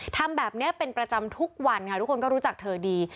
ทำแบบนี้เป็นประจำทุกวันค่ะทุกคนก็รู้จักเธอดี